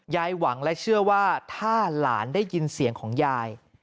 หวังและเชื่อว่าถ้าหลานได้ยินเสียงของยาย